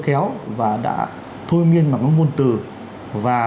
khéo và đã thôi miên bằng các ngôn từ và